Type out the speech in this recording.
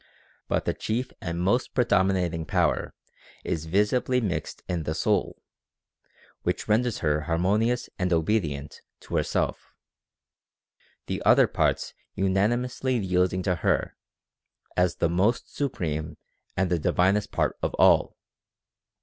But the chief and most predominating power is visibly mixed in the soul, which renders her harmonious and obedient to herself, the other parts unanimously yielding to her as the most su preme and the divinest part of all.